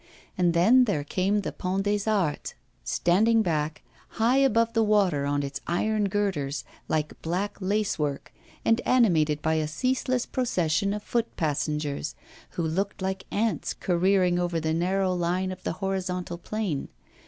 And then there came the Pont des Arts, standing back, high above the water on its iron girders, like black lace work, and animated by a ceaseless procession of foot passengers, who looked like ants careering over the narrow line of the horizontal plane.